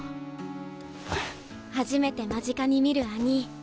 初めて間近に見る兄ィ。